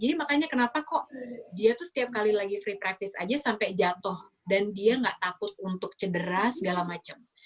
jadi makanya kenapa kok dia tuh setiap kali lagi free practice aja sampai jatoh dan dia gak takut untuk cedera segala macem